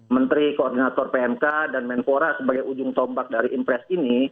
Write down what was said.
menteri koordinator pmk dan menpora sebagai ujung tombak dari impres ini